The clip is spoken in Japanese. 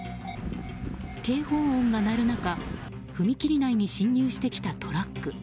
警報音が鳴る中踏切内に進入してきたトラック。